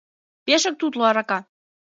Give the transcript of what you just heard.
— Пешак тутло арака!